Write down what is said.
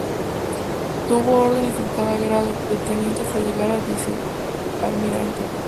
Tuvo ordenes en cada grado, de teniente hasta llegar a vicealmirante.